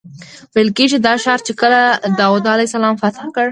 ویل کېږي دا ښار چې کله داود علیه السلام فتح کړ.